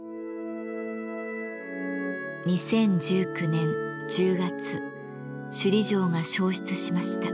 ２０１９年１０月首里城が焼失しました。